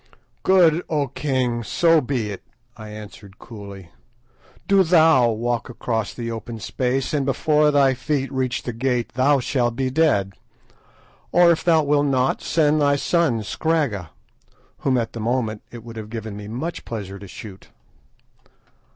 "Good, O king, so be it," I answered coolly; "do thou walk across the open space, and before thy feet reach the gate thou shalt be dead; or if thou wilt not, send thy son Scragga" (whom at that moment it would have given me much pleasure to shoot).